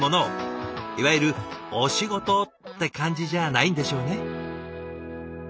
いわゆるお仕事って感じじゃないんでしょうね。